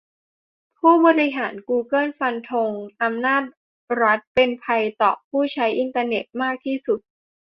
ผู้บริหารกูเกิลฟันธง "อำนาจรัฐ" เป็นภัยต่อผู้ใช้อินเตอร์เน็ตมากที่สุด